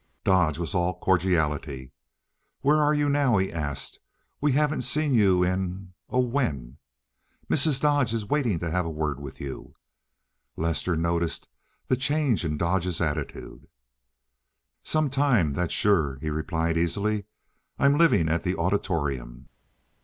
Dodge was all cordiality. "Where are you now?" he asked. "We haven't seen you in—oh, when? Mrs. Dodge is waiting to have a word with you." Lester noticed the change in Dodge's attitude. "Some time, that's sure," he replied easily. "I'm living at the Auditorium."